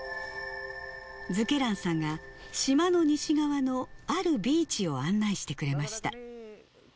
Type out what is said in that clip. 瑞慶覧さんが島の西側のあるビーチを案内してくれました。